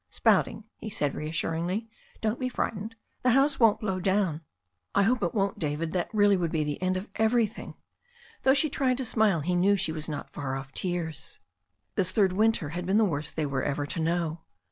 "Spouting," he said reassuringly. "Don't be frightened The house won't blow down." "I hope it won't, David. That really would be the end of everything." Though she tried to smile he knew she was not far off tears. This third winter had been the worst they were ever to know.